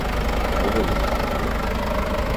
Treu volum a l'altaveu.